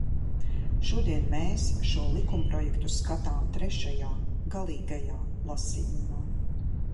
Šodien mēs šo likumprojektu skatām trešajā, galīgajā, lasījumā.